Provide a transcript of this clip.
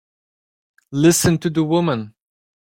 Listen to the woman!